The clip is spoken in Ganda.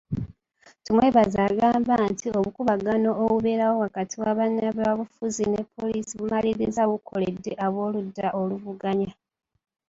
Tumwebaze agamba nti obukuubagano obubeerawo wakati wa bannabyabufuzi ne poliisi bumaliriza bukoledde ab'oludda oluvuganya.